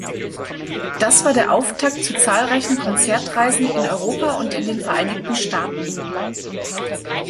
Das war der Auftakt zu zahlreichen Konzertreisen in Europa und in den Vereinigten Staaten.